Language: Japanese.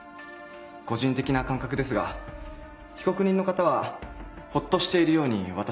個人的な感覚ですが被告人の方はホッとしているように私には感じました。